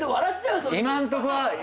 今んとこはそう。